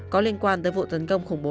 có liên quan tới vụ tấn công khủng bố